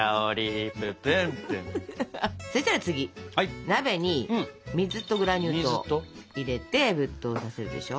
そしたら次鍋に水とグラニュー糖入れて沸騰させるでしょ。